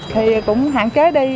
thì cũng hạn chế đi